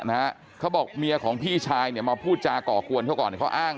เขาบอกเมียของพี่ชายเนี่ยมาพูดจาก่อกวนเขาก่อนเขาอ้าง